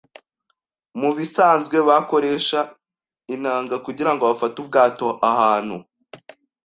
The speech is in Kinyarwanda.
Mubisanzwe bakoresha inanga kugirango bafate ubwato ahantu.